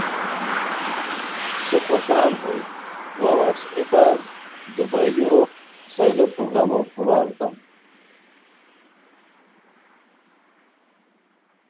سے خوشان ہوئے وا واٹس ایپہ دوبئیو سئیلو پروگرامو پورا اریتام